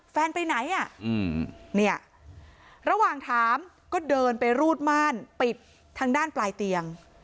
ไปไหนอ่ะเนี่ยระหว่างถามก็เดินไปรูดม่านปิดทางด้านปลายเตียง